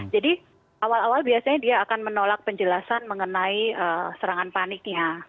jadi awal awal biasanya dia akan menolak penjelasan mengenai serangan paniknya